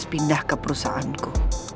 pindah ke perusahaanku